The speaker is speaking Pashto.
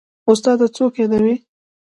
استاده څوک يادوې.